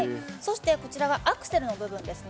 こちらはアクセルの部分ですね。